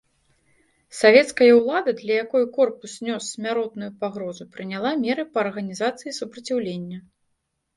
Савецкая ўлада, для якой корпус нёс смяротную пагрозу, прыняла меры па арганізацыі супраціўлення.